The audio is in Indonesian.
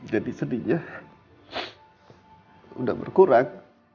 jadi sedihnya udah berkurang